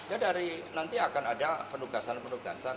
ya dari nanti akan ada penugasan penugasan